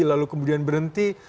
lalu kemudian berhenti